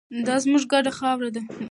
دا زموږ ګډه خاوره ده.